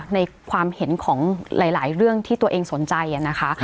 ในความเห็นของหลายเรื่องที่ตัวเองสนใจนะคะ